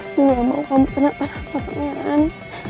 aku gak mau kamu kena parah parahan